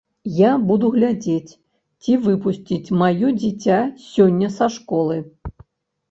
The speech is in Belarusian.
Я буду глядзець, ці выпусцяць маё дзіця сёння са школы.